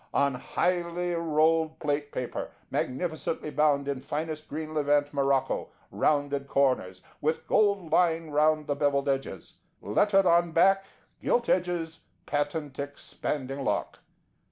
On highly rolled plate paper, magnificently bound in finest green Levant morocco, rounded corners, with gold line round the bevelled edges, lettered on back, gilt edges, patent expanding lock.